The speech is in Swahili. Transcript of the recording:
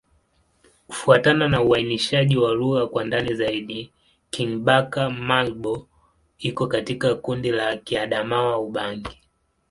Kufuatana na uainishaji wa lugha kwa ndani zaidi, Kingbaka-Ma'bo iko katika kundi la Kiadamawa-Ubangi.